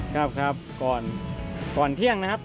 ครับครับก่อนเที่ยงนะครับ